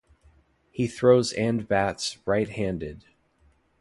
He throws and bats right-handed.